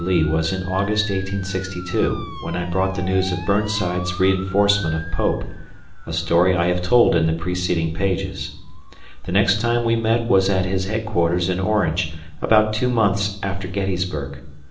Lee was in August, 1862, when I brought the news of Burnside's reinforcement of Pope, a story I have told in the preceding pages. The next time we met was at his headquarters in Orange, about two months after Gettysburg.